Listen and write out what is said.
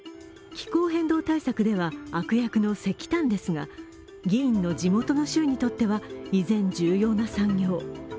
気候変動対策では悪役の石炭ですが議員の地元の州にとっては依然、重要な産業。